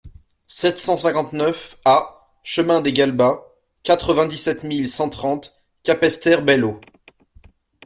sept cent cinquante-neuf A chemin des Galbas, quatre-vingt-dix-sept mille cent trente Capesterre-Belle-Eau